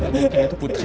tentu dia putri